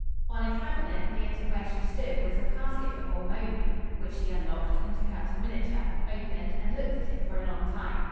On a cabinet near to where she stood was a casket of ormolu, which she unlocked, and took out a miniature, opened, and looked at it for a long time.